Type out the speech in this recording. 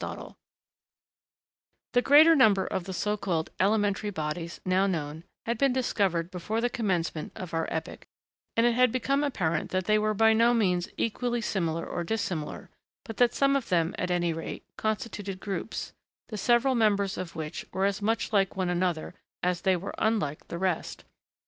[Sidenote: Elementary bodies] The greater number of the so called 'elementary' bodies, now known, had been discovered before the commencement of our epoch; and it had become apparent that they were by no means equally similar or dissimilar, but that some of them, at any rate, constituted groups, the several members of which were as much like one another as they were unlike the rest.